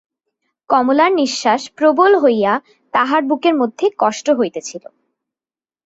কমলার নিশ্বাস প্রবল হইয়া তাহার বুকের মধ্যে কষ্ট হইতেছিল।